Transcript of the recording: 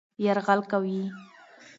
يرغل کوي